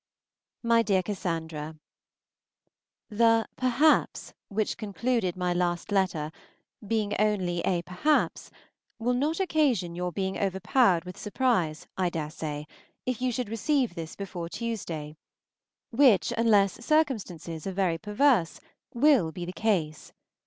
MY DEAR CASSANDRA, The "perhaps" which concluded my last letter being only a "perhaps," will not occasion your being overpowered with surprise, I dare say, if you should receive this before Tuesday, which, unless circumstances are very perverse, will be the case.